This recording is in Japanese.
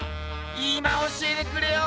今教えてくれよ。